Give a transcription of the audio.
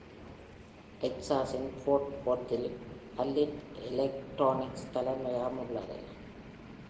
டெக்சாஸின் Fort வொர்த்தில்அல்லிட் electronics தலைமையகம் உள்ளது.